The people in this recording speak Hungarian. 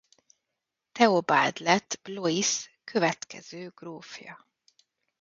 Theobald lett Blois következő grófja.